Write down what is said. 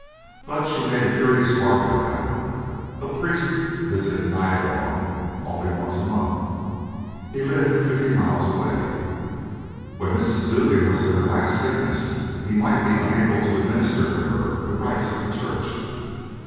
But she made a curious bargain about it. A priest visited Nyalong only once a month; he lived fifty miles away; when Mrs. Duggan was in her last sickness he might be unable to administer to her the rites of the church.